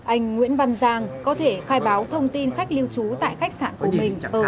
anh nguyễn văn giang có thể khai báo thông tin khách lưu trú tại khách sạn của mình